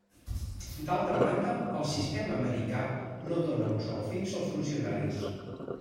D'altra banda, el sistema americà no dóna un sou fix als funcionaris.